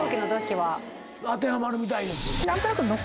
当てはまるみたいです。